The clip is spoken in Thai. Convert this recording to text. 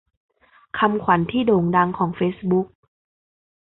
คำขวัญที่โด่งดังของเฟซบุ๊ก